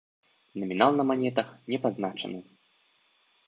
Намінал на манетах не пазначаны.